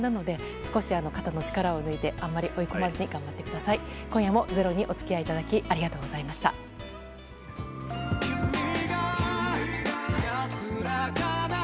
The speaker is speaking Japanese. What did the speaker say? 少し肩の力を抜いてあまり追い込まずに頑張ってください。